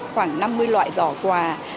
khoảng năm mươi loại giỏ quà